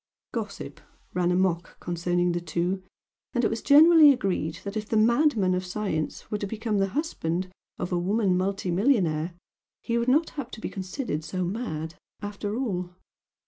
Gossip ran amok concerning the two, and it was generally agreed that if the "madman" of science were to become the husband of a woman multi millionaire, he would not have to be considered so mad after all!